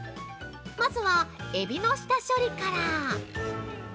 まずは、エビの下処理から。